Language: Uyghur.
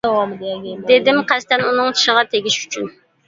دېدىم قەستەن ئۇنىڭ چىشىغا تېگىش ئۈچۈن.